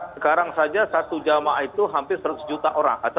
sekarang saja satu jamaah itu hampir seratus juta orang